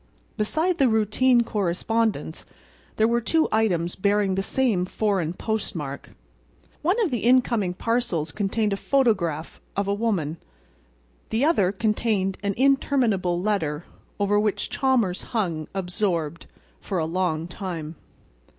Beside the routine correspondence there were two items bearing the same foreign postmark. One of the incoming parcels contained a photograph of a woman. The other contained an interminable letter, over which Chalmers hung, absorbed, for a long time.